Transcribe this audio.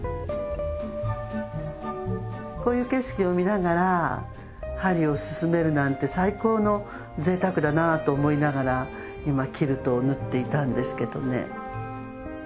こういう景色を見ながら針を進めるなんて最高の贅沢だなと思いながら今キルトを縫っていたんですけどね。